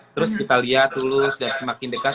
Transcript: terus kita lihat tulus dan semakin dekat